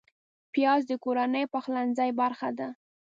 پیاز د کورنۍ پخلنځي برخه ده